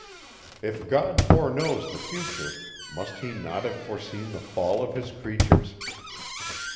If God foreknows the future, must he not have foreseen the fall of his creatures?